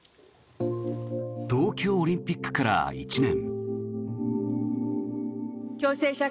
東京オリンピックから１年。